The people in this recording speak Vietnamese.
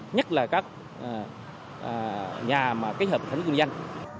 nhất là các nhà mà kết hợp thành kinh doanh